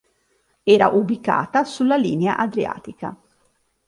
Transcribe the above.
Era ubicata sulla linea Adriatica.